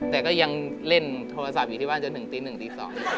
แต่ก็ยังเล่นโทรศัพท์อยู่ที่บ้านจนถึงตีหนึ่งตี๒